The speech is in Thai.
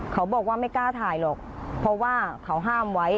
เขาบอกว่าไม่กล้าถ่ายหรอกเพราะว่าเขาห้ามไว้